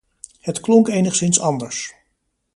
Het klonk enigszins anders.